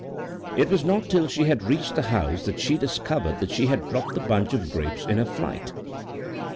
It was not till she had reached the house that she discovered that she had dropped the bunch of grapes in her flight.